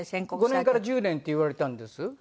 ５年から１０年って言われたんです